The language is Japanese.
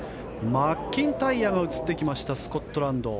マッキンタイヤが映ってきましたスコットランド。